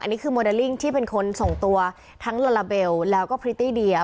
อันนี้คือโมเดลลิ่งที่เป็นคนส่งตัวทั้งลาลาเบลแล้วก็พริตตี้เดีย